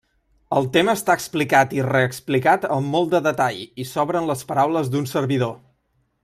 El tema està explicat i reexplicat amb molt de detall i sobren les paraules d'un servidor.